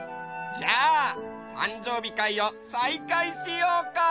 じゃあたんじょうびかいをさいかいしようか！